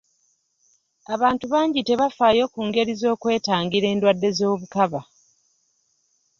Abantu bangi tebafaayo ku ngeri z'okwetangira endwadde z'obukaba.